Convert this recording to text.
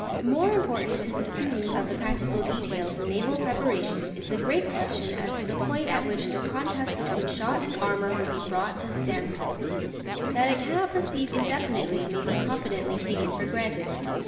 More important to the student of the practical details of naval preparation is the great question as to the point at which the contest between shot and armour will be brought to a standstill. That it cannot proceed indefinitely may be confidently taken for granted.